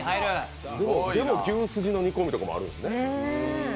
でも牛すじの煮込みとかもあるんですね。